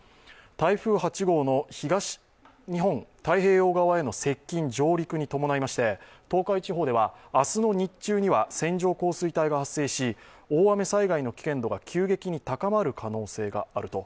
台風８号の東日本、太平洋側への接近・上陸に伴いまして、東海地方では明日の日中には線状降水帯が発生し大雨災害の危険度が急激に高まる可能性があると。